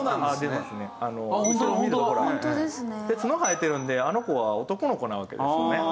で角が生えてるのであの子は男の子なわけですよね。